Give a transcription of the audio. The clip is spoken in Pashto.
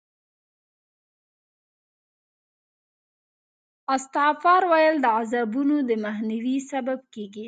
استغفار ویل د عذابونو د مخنیوي سبب کېږي.